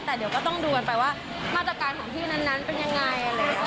แต่เดี๋ยวก็ต้องดูกันไปว่ามาตรการของที่นั้นเป็นยังไง